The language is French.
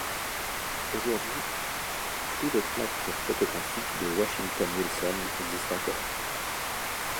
Aujourd'hui, plus de plaques photographiques de Washington Wilson existent encore.